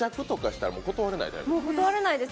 もう断れないです